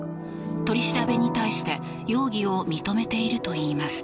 取り調べに対して容疑を認めているといいます。